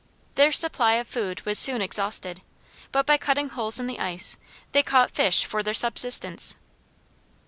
Their supply of food was soon exhausted, but by cutting holes in the ice they caught fish for their subsistence.